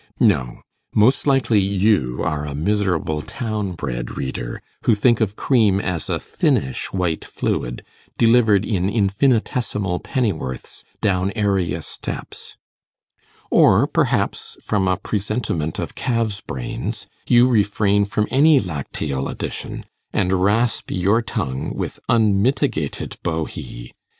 No most likely you are a miserable town bred reader, who think of cream as a thinnish white fluid, delivered in infinitesimal pennyworths down area steps; or perhaps, from a presentiment of calves' brains, you refrain from any lacteal addition, and rasp your tongue with unmitigated bohea.